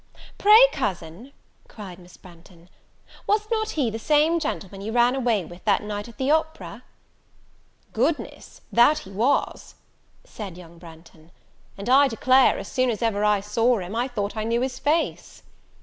"Pray, cousin," cried Miss Branghton, "was not he the same gentleman you ran away with that night at the opera?" "Goodness! that he was," said young Branghton, "and, I declare, as soon as ever I saw him, I thought I knew his face."